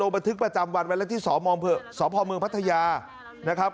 บันทึกประจำวันไว้แล้วที่สพเมืองพัทยานะครับ